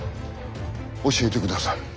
教えてください。